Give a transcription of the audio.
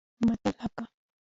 متل لکه